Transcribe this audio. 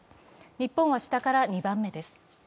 日本は下から２番目です。